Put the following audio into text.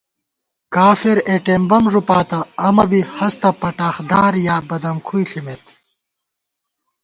کافَراېٹم بم ݫُپاتہ، امَنہ بی ہستہ پٹاخدار یا بدَمکُھوئی ݪِمېت